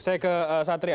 saya ke satria